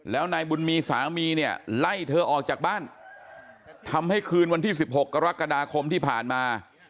แล้วนายบุญมีสามีเนี่ยไล่เธอออกจากบ้านทำให้คืนวันที่๑๖กรกฎาคมที่ผ่านมา